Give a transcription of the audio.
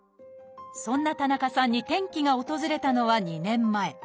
そんな田中さんに転機が訪れたのは２年前。